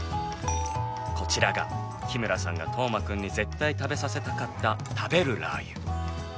こちらが日村さんが斗真君に絶対食べさせたかった食べるラー油。